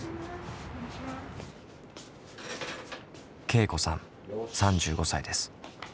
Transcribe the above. けいこさん３５歳です。